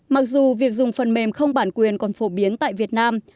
mặc dù việc dùng phần mềm không bản quyền còn phổ biến tại việt nam